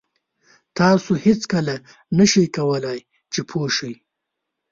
تاسو هېڅکله نه شئ کولای چې پوه شئ.